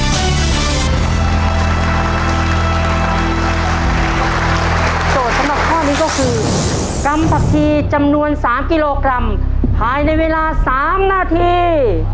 โจทย์สำหรับข้อนี้ก็คือกำผักชีจำนวน๓กิโลกรัมภายในเวลา๓นาที